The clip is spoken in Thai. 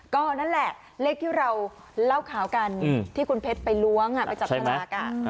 ก็นั่นแหละเลขที่เราเล่าข่าวกันที่คุณเพชรไปล้วงไปจับสลาก